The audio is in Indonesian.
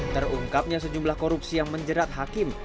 terungkapnya sejumlah korupsi yang menjerat hakim